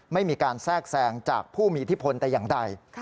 ไม่มีการแทรกแทรงจากผู้มีอิทธิพลแต่อย่างใด